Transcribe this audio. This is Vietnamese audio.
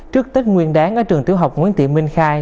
trước tết nguyên đáng ở trường tiểu học nguyễn tị minh khai